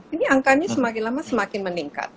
ini angkanya semakin lama semakin meningkat